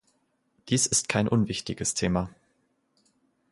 Dies ist kein unwichtiges Thema.